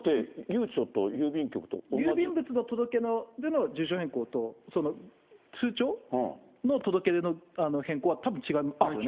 だって、郵便物の届け出の住所変更と、その通帳の届け出の変更はたぶん違いますよね。